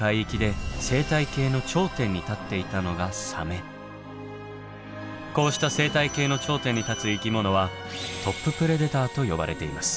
こうした生態系の頂点に立つ生き物はトッププレデターと呼ばれています。